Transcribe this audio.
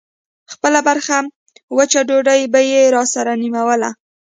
خپله برخه وچه ډوډۍ به يې راسره نيموله.